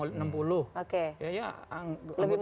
lebih muda sedikit